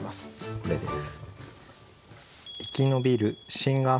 これです。